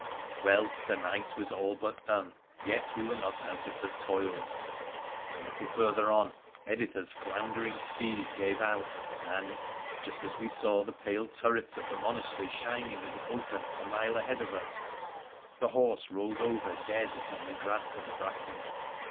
Well, the night was all but done, yet were we not out of the tcils. A little further on, Editha's floundering steed gave PHRA THE PHCEN1CIAN icj Out, and, just as we saw the pale turrets of the monastery shining in the open a mile ahead of us, the horse rolled over dead upon the grass and bracken.